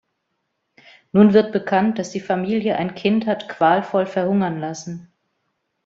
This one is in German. Nun wird bekannt, dass die Familie ein Kind hat qualvoll verhungern lassen.